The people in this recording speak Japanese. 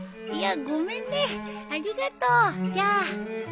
いやごめんねありがとうじゃあ。